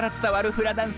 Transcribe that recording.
フラダンス